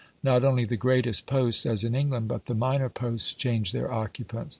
Not only the greatest posts, as in England, but the minor posts change their occupants.